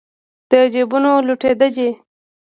د جېبونو لوټېده دي